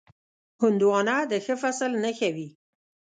هندوانه د ښه فصل نښه وي.